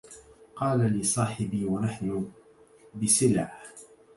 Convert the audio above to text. قال لي صاحبي ونحن بسلع